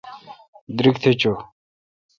دیرگ تھ چو۔